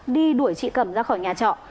đi đuổi chị cẩm ra khỏi nhà trọ